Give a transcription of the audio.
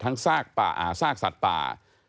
ทั้งซากป่าอาซากสัตว์ป่า